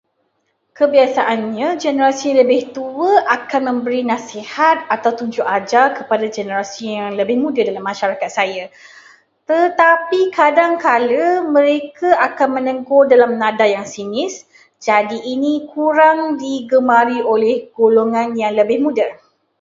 Kebiasaannya generasi yang lebih tua akan memberi nasihat atau tunjuk ajar kepada generasi yang lebih muda dalam masyarakat saya. Tetapi kadangkala mereka akan menegur dalam nada yang sinis, jadi ini kurang digemari oleh golongan yang lebih muda.